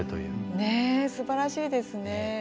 ねえすばらしいですね。